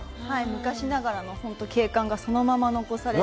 昔ながらの本当に景観がそのまま残されていて。